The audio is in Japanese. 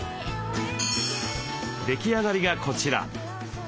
出来上がりがこちら。